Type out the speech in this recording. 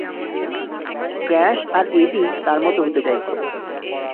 Crash আর Eddie তার মতো হতে চাইত।